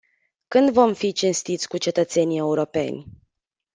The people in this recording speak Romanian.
Când vom fi cinstiți cu cetățenii europeni?